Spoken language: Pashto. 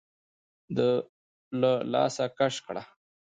ده له لاسه کش کړه.